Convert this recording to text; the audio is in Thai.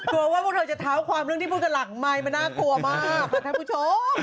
ว่าพวกเธอจะเท้าความเรื่องที่พูดกันหลังไมค์มันน่ากลัวมากค่ะท่านผู้ชม